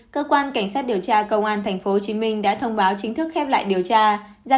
cơ quan cảnh sát điều tra công an tp hcm đã thông báo chính thức khép lại điều tra